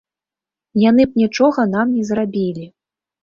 Яны б нічога нам не зрабілі.